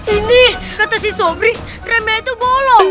ini kata si sobri kremnya itu bolong